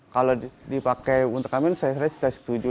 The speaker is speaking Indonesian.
kalau dipakai untuk kami saya tidak setuju